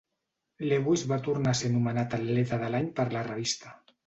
Lewis va tornar a ser anomenat Atleta de l"any per la revista.